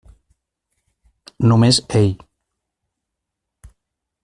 Només ell.